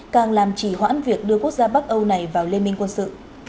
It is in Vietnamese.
càng làm trì hoãn việc đưa quốc gia bắc âu này vào liên minh quân sự